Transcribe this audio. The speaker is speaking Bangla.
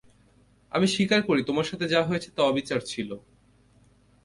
আমি স্বীকার করি তোমার সাথে যা হয়েছে তা অবিচার ছিল।